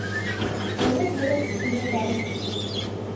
Олю мурым увертарыш: